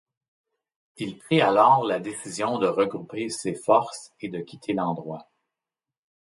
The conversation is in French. Il prit alors la décision de regrouper ses forces et de quitter l'endroit.